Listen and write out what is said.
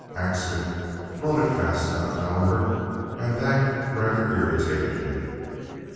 Accident brought it fast enough, however, and that rather irritatingly.